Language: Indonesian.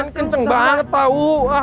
kenceng banget tau